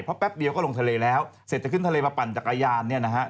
เพราะแป๊บเดียวก็ลงทะเลแล้วเสร็จจะขึ้นทะเลมาปั่นจักรยานเนี่ยนะฮะ